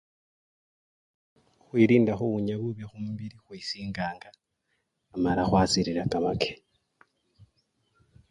Khukhwilinda khuwunya bubi khumubili, khwisinganga mala khwasilila kamake.